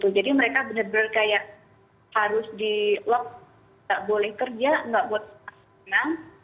jadi mereka benar benar kayak harus di lock nggak boleh kerja nggak buat senang